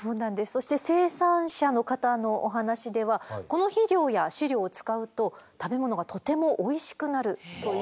そして生産者の方のお話ではこの肥料や飼料を使うと食べ物がとてもおいしくなるということなんですね。